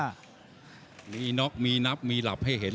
มีน็อกมีนับมีหลับให้เห็น